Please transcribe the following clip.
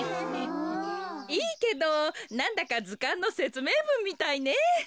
いいけどなんだかずかんのせつめいぶんみたいね。